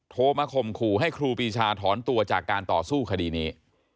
โทรมาข่มขู่ให้ครูปีชาถอนตัวจากการต่อสู้คดีนี้